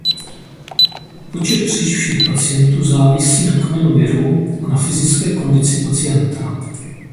Počet přeživších pacientů závisí na kmenu viru a na fyzické kondici pacienta.